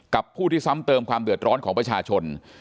ผู้ที่ซ้ำเติมความเดือดร้อนของประชาชน